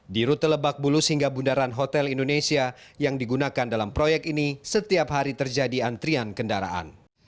di rute lebak bulus hingga bundaran hotel indonesia yang digunakan dalam proyek ini setiap hari terjadi antrian kendaraan